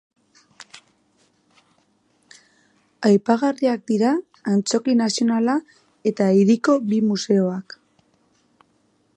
Aipagarriak dira Antzoki Nazionala eta hiriko bi museoak.